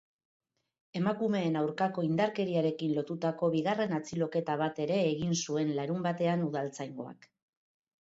Emakumeen aurkako indarkeriarekin lotutako bigarren atxiloketa bat ere egin zuen larunbatean udaltzaingoak.